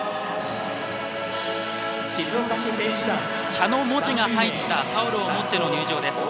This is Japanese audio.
「茶」の文字が入ったタオルを持っての入場です。